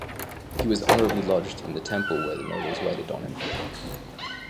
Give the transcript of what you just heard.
He was honorably lodged in the temple where the nobles waited on him.